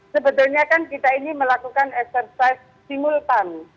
sebetulnya kan kita ini melakukan eksersis simultan